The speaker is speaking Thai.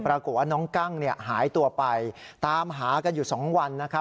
ปรากฏว่าน้องกั้งเนี่ยหายตัวไปตามหากันอยู่๒วันนะครับ